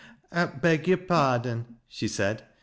" I beg yore pardon," she said.